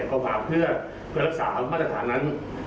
ก็มาเพื่อรักษามาตรฐานนั้น